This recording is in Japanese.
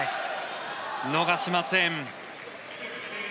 逃しません。